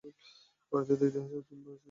ভারতীয়দের ইতিহাস অতি প্রাচীন এবং সুদীর্ঘ।